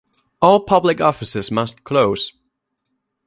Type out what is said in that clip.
All public offices must close.